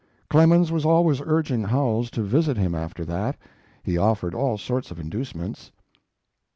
Clemens was always urging Howells to visit him after that. He offered all sorts of inducements.